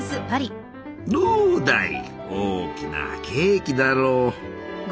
どうだい大きなケーキだろう！